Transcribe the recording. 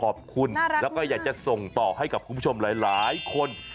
ขอบคุณแล้วก็อยากจะส่งต่อให้กับคุณผู้ชมหลายคน